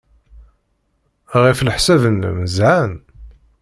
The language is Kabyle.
Ɣef leḥsab-nnem, zhan?